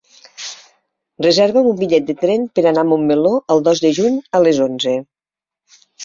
Reserva'm un bitllet de tren per anar a Montmeló el dos de juny a les onze.